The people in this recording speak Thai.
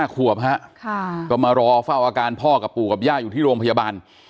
ขวบฮะก็มารอเฝ้าอาการพ่อกับปู่กับย่าอยู่ที่โรงพยาบาล